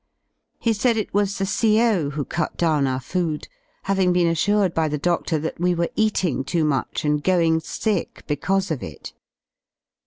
He said it was the CO. who cut down our food, having been assured by the dodlor that we were eating too much and going sick because of it.